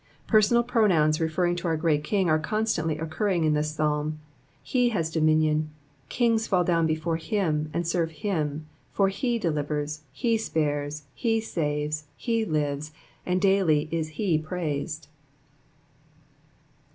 P« rsnnal pronouns referring to our great King are constantly occurring in this Psalm ; he has do minion kings fall down before him, and serve him ; for he delivers, he spares, he saves, he lives, and daily is he praised.